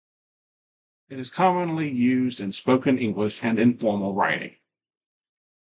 It is commonly used in spoken English and informal writing.